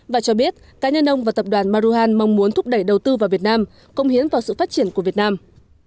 và cho biết cá nhân ông và tập đoàn maruhan mong muốn thúc đẩy đầu tư vào việt nam công hiến vào sự phát triển của việt nam